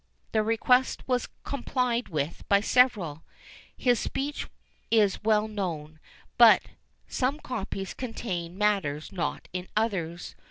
The request was complied with by several. His speech is well known; but some copies contain matters not in others.